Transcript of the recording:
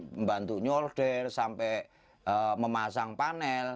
membantu nyolder sampai memasang panel